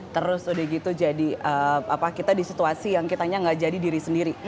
terus udah gitu jadi kita di situasi yang kitanya gak jadi diri sendiri